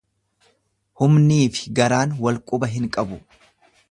Humniifi garaan wal quba hin qabu.